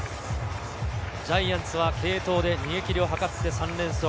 ジャイアンツは継投で逃げ切りを図って３連勝。